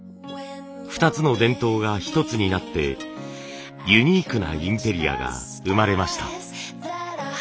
２つの伝統が１つになってユニークなインテリアが生まれました。